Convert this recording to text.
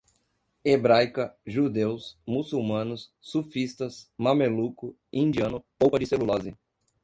hebraica, judeus, muçulmanos, sufistas, mameluco, indiano, polpa de celulose